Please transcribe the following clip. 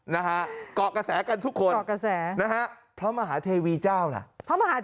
เรากอดกระแสกันทุกคนนะฮะเพราะมหาเทวีเจ้าล่ะ